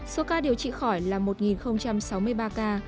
số ca điều trị khỏi là một sáu mươi ba ca